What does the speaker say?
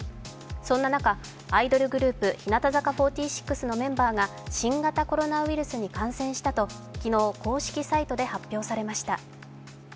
そんな中、アイドルグループ日向坂４６のメンバーが新型コロナウイルスに感染したと昨日公式サイトで発表されました。